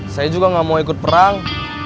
saya juga gak mau ikut perang